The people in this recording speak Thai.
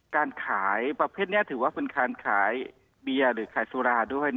การขายประเภทนี้ถือว่าเป็นการขายเบียร์หรือขายสุราด้วย